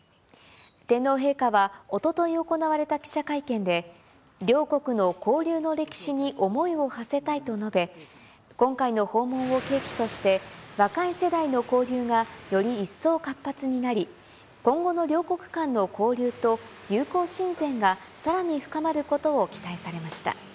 天皇陛下はおととい行われた記者会見で、両国の交流の歴史に思いをはせたいと述べ、今回の訪問を契機として、若い世代の交流がより一層活発になり、今後の両国間の交流と友好親善がさらに深まることを期待されました。